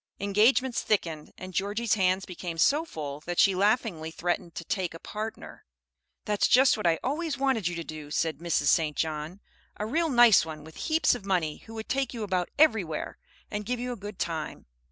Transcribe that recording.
Engagements thickened, and Georgie's hands became so full that she laughingly threatened to "take a partner." "That's just what I always wanted you to do," said Mrs. St. John, "a real nice one, with heaps of money, who would take you about everywhere, and give you a good time."